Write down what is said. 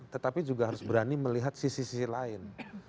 tetapi juga harus berani melihat sisi sisi lain